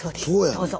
どうぞ。